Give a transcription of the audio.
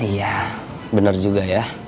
iya bener juga ya